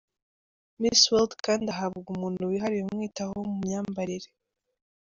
Miss World kandi ahabwa umuntu wihariye umwitaho mu myambarire.